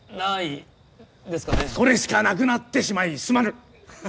それしかなくなってしまいすまぬ！